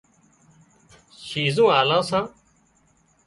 شِيزون آلان سان